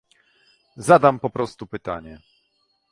Zadam po prostu pytanie